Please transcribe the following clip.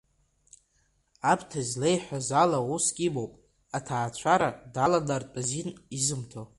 Аԥҭа излеиҳәаз ала уск имоуп, аҭаацәара далалартә азин изымҭо.